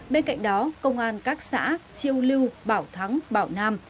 bên cạnh đó công an các xã chiêu lưu bảo thắng bảo nam